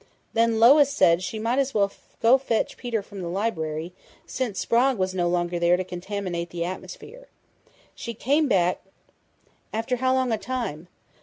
Then Lois said she might as well go fetch Peter from the library, since Sprague was no longer there to contaminate the atmosphere. She came back " "After how long a time?"